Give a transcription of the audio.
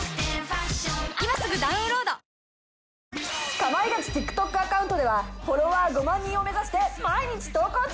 『かまいガチ』ＴｉｋＴｏｋ アカウントではフォロワー５万人を目指して毎日投稿中！